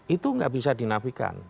itu gak bisa dinafikan